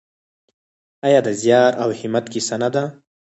آیا د زیار او همت کیسه نه ده؟